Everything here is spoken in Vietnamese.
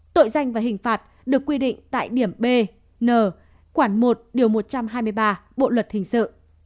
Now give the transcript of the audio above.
tội danh và hình phạt được quy định tại điểm b n một điều một trăm hai mươi ba bộ luật hình sự